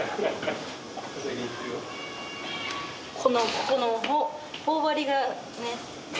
ここの頬張りがね